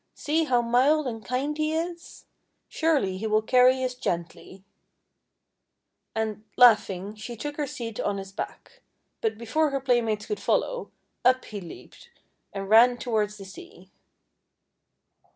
See how mild and kind he is! Surely he will carry us gently !': And, laughing, she took her seat on his back. But before her playmates could follow, up he leaped, and ran toward the sea.